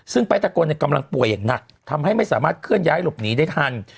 ซึ่งไปตะโกนกำลังป่วยอย่างหนักทำให้ไม่สามารถเคลื่อนย้ายหลบหนีได้ทัน